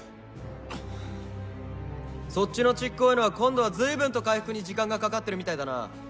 そっちのちっこいのは今度は随分と回復に時間がかかってるみたいだな